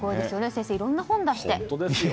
先生、いろんな本を出して。